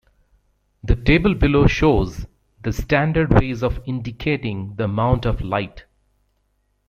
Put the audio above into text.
The table below shows the standard ways of indicating the amount of light.